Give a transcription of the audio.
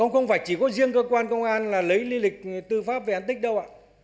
không phải chỉ có riêng cơ quan công an lấy lý lịch tư pháp về án tích đâu ạ